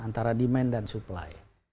antara demand dan supply